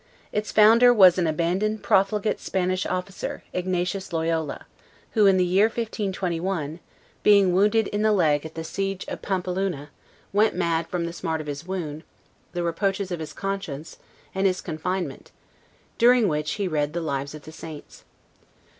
Its founder was an abandoned profligate Spanish officer, Ignatius Loyola; who, in the year 1521, being wounded in the leg at the 'siege of Pampeluna, went mad from the smart of his wound, the reproaches of his conscience, and his confinement, during which he read the lives of the Saints.